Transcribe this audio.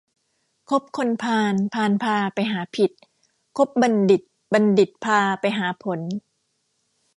คบคนพาลพาลพาไปหาผิด คบบัณฑิตบัณฑิตพาไปหาผล